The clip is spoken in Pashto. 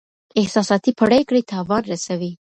احساساتي پریکړې تاوان رسوي.